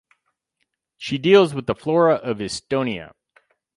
She deals with the flora of Estonia.